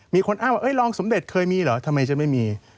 มีคนอ้างว่ารองสมเด็จเคยมีเหรอทำไมจะไม่มี